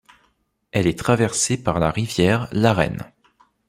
Elle est traversée par la rivière l'Arène.